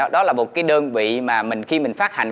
đó là một cái đơn vị mà mình khi mình phát hành